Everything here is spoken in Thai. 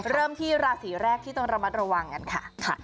เริ่มที่ราศีแรกที่ต้องระมัดระวังกันค่ะ